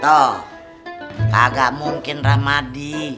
tuh kagak mungkin ramadi